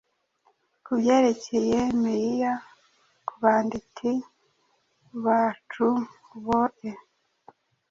Kubyerekeye Meiya, kubanditi bacuboe